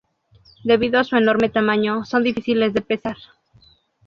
Debido a su enorme tamaño, son difíciles de pesar.